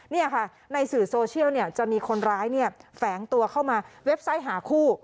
นี่ค่ะในสื่อโซเชียลจะมีคนร้ายแฝงตัวเข้ามาเว็บไซต์หาคู่